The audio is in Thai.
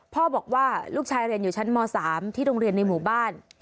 บอกว่าลูกชายเรียนอยู่ชั้นม๓ที่โรงเรียนในหมู่บ้าน